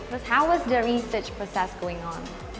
bagaimana proses penelitian itu